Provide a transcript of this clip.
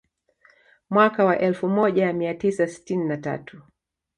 Mwaka wa elfu moja mia tisa sitini na tatu